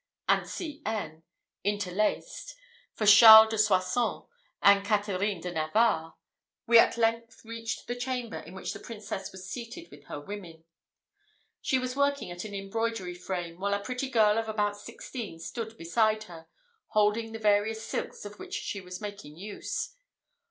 and C. N. interlaced, for Charles de Soissons and Catherine de Navarre, we at length reached the chamber in which the Princess was seated with her women. She was working at an embroidery frame, while a pretty girl of about sixteen stood beside her, holding the various silks of which she was making use.